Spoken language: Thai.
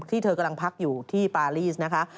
ที่เธอกำลังพักอยู่ที่ปารีสนะคะ